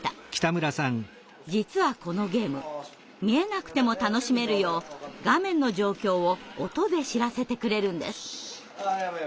実はこのゲーム見えなくても楽しめるよう画面の状況を音で知らせてくれるんです。